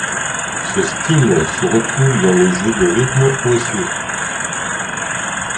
Ce style se retrouve dans le jeu de rythme Osu!